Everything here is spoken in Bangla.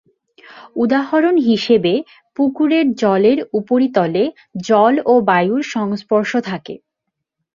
উদাহরণ হিসেবে, পুকুরের জলের উপরিতলে জল ও বায়ুর সংস্পর্শ থাকে।